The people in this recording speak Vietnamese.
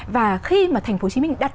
và khi mà thành phố hồ chí minh đặt